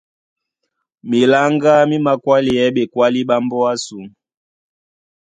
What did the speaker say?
Miláŋgá mí mākwáleyɛɛ́ ɓekwálí ɓá mbóa ásū.